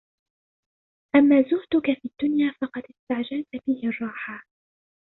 أَمَّا زُهْدُك فِي الدُّنْيَا فَقَدْ اسْتَعْجَلْت بِهِ الرَّاحَةَ